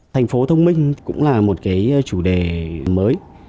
thành phố thông minh cũng là một cái chủ đề mới